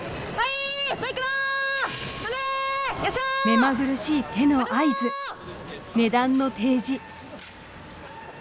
目まぐるしい手の合図値段の提示。